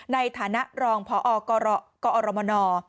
ในฐานะรองพอกอรมน